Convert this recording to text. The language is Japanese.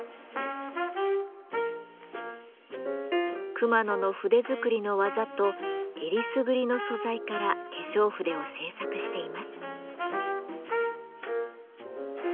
熊野の筆作りの技とえりすぐりの素材から化粧筆を製作しています。